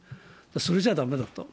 それじゃだめだと。